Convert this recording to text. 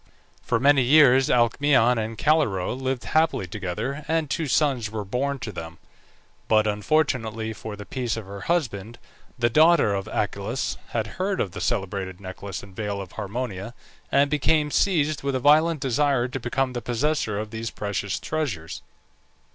For many years Alcmaeon and Calirrhoe lived happily together, and two sons were born to them. But unfortunately for the peace of her husband, the daughter of Achelous had heard of the celebrated necklace and veil of Harmonia, and became seized with a violent desire to become the possessor of these precious treasures.